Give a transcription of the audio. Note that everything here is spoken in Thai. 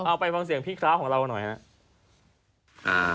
เอาไปฟังเสียงพี่กราฟของเราหน่อยนะ